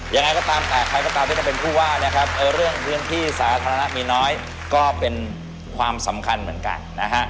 ยังไงก็ตามแต่ใครก็ตามที่จะเป็นผู้ว่านะครับเรื่องพื้นที่สาธารณะมีน้อยก็เป็นความสำคัญเหมือนกันนะฮะ